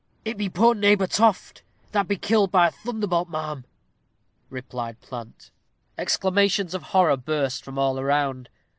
"It be poor neighbor Toft, that be killed by a thunderbolt, ma'am," replied Plant. Exclamations of horror burst from all around.